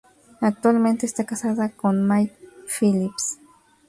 Actualmente esta casada con Mike Phillips.